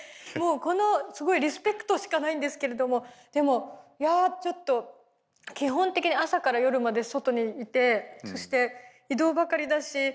もうこのすごいリスペクトしかないんですけれどもでもいやちょっと基本的に朝から夜まで外にいてそして移動ばかりだし